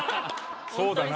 そうだな。